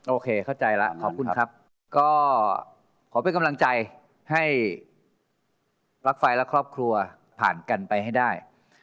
โอเคเข้าใจแล้วขอบคุณครับก็ขอเป็นกำลังใจให้ปลั๊กไฟและครอบครัวผ่านกันไปให้ได้